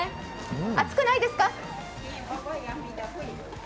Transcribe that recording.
暑くないですか？